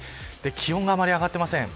気温があまり上がっていません。